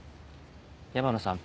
山野さん